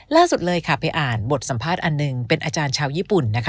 ล่าสุดเลยค่ะไปอ่านบทสัมภาษณ์อันหนึ่งเป็นอาจารย์ชาวญี่ปุ่นนะคะ